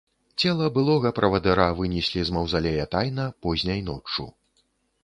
Цела былога правадыра вынеслі з маўзалея тайна, позняй ноччу.